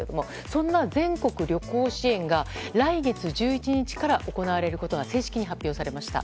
そんな全国旅行支援が来月１１日から行われることが正式に発表されました。